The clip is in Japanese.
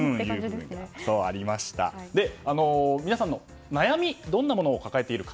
皆さんの悩みどんなものを抱えているか